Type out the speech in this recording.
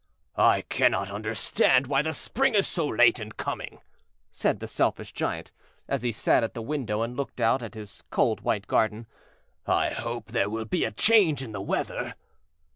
"I cannot understand why the Spring is so late in coming," said the Selfish Giant, as he sat at the window and looked out at his cold white garden; "I hope there will be a change in the weather."